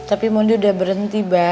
tapi mondi udah berhenti mbak